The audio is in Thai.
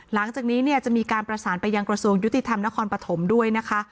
หลังจากนี้เนี่ยจะมีการประสานไปยังกระทรวงยุติธรรมนครปฐมด้วยนะคะ